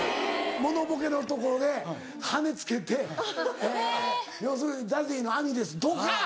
モノボケのところで羽つけて要するに「ＺＡＺＹの兄です」ドカン！